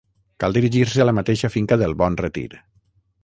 Cal dirigir-se a la mateixa finca del Bon Retir.